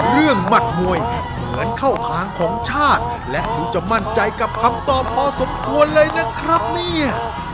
หมัดมวยเหมือนเข้าทางของชาติและดูจะมั่นใจกับคำตอบพอสมควรเลยนะครับเนี่ย